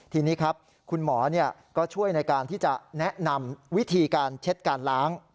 ทีนี้ครับคุณหมอก็ช่วยในการที่จะแนะนำวิธีการเช็ดการล้าง